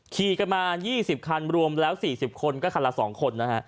ขี่กันมา๒๐คันรวมแล้ว๔๐คนก็คันละ๒คนนะฮะ